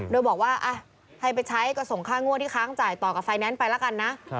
โดยบอกว่าให้ไปใช้ก็ส่งค่างวดที่ค้างจ่ายต่อกับไฟแนนซ์ไปแล้วกันนะ